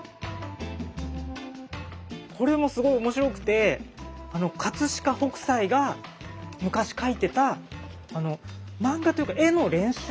これもすごい面白くて飾北斎が昔描いてた漫画というか絵の練習の本なんですよね。